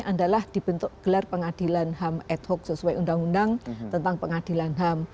adalah dibentuk gelar pengadilan ham ad hoc sesuai undang undang tentang pengadilan ham